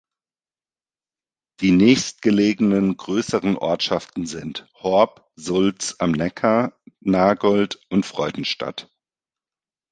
Die nächstgelegenen größeren Ortschaften sind Horb, Sulz am Neckar, Nagold und Freudenstadt.